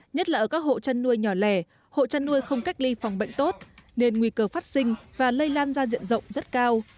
nhất là ở các hộ chăn nuôi nhỏ lẻ hộ chăn nuôi không cách ly phòng bệnh tốt nên nguy cơ phát sinh và lây lan ra diện rộng rất cao